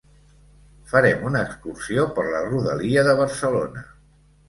Farem una excursió per la rodalia de Barcelona.